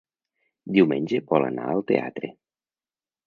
Diumenge vol anar al teatre.